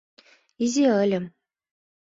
Изи ыльым.